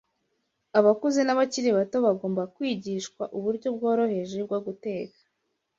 Abakuze n’abakiri bato bagomba kwigishwa uburyo bworoheje bwo guteka.